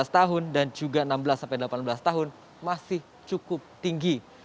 lima belas tahun dan juga enam belas sampai delapan belas tahun masih cukup tinggi